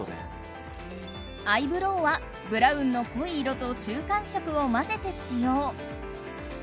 アイブローはブラウンの濃い色と中間色を混ぜて使用。